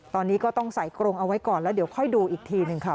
ตอนนี้ก็ต้องใส่กรงเอาไว้ก่อนแล้วเดี๋ยวค่อยดูอีกทีหนึ่งค่ะ